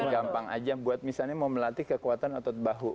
gampang aja buat misalnya mau melatih kekuatan otot bahu